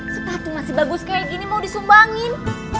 sepatu masih bagus kayak gini mau disumbangin